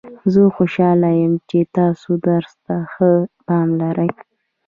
زه خوشحاله یم چې تاسو درس ته ښه پام لرئ